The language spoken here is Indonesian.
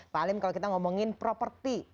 pak alim kalau kita ngomongin properti